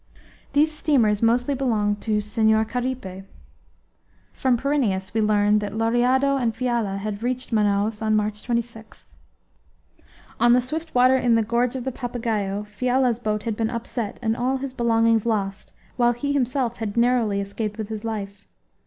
These steamers mostly belong to Senhor Caripe. From Pyrineus we learned that Lauriado and Fiala had reached Manaos on March 26. On the swift water in the gorge of the Papagaio Fiala's boat had been upset and all his belongings lost, while he himself had narrowly escaped with his life.